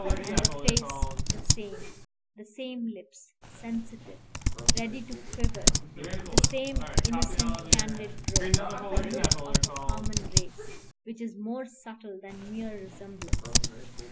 And the face the same: the same lips, sensitive, ready to quiver; the same innocent, candid brow; the look of a common race, which is more subtle than mere resemblance.